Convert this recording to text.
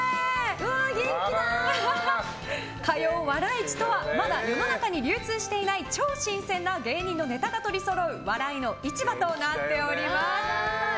市とはまだ世の中に流通していない超新鮮な芸人のネタが取りそろう笑いの市場となっております。